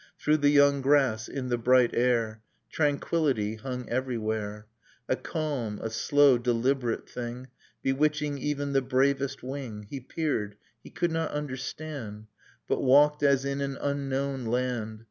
Through the young grass, in the bright air, Tranquillity hung everywhere, A calm, a slow, deliberate thing. Bewitching even the bravest wing. He peered: he could not understand. But walked as in an unknown land.